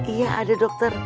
iya ada dokter